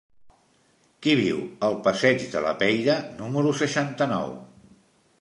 Qui viu al passeig de la Peira número seixanta-nou?